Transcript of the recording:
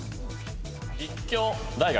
立教大学。